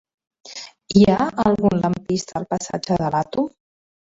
Hi ha algun lampista al passatge de l'Àtom?